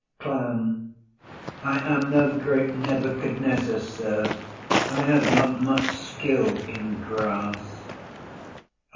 CLOWN. I am no great Nebuchadnezzar, sir; I have not much skill in grass.